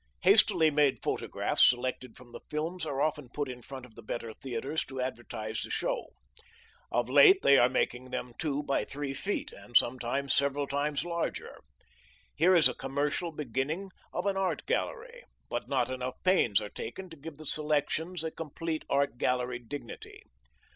Hastily made photographs selected from the films are often put in front of the better theatres to advertise the show. Of late they are making them two by three feet and sometimes several times larger. Here is a commercial beginning of an art gallery, but not enough pains are taken to give the selections a complete art gallery dignity.